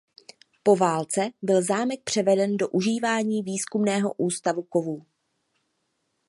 Po válce byl zámek převeden do užívání Výzkumného ústavu kovů.